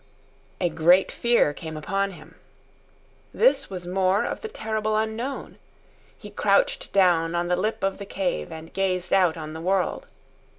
A great fear came upon him. This was more of the terrible unknown. He crouched down on the lip of the cave and gazed out on the world.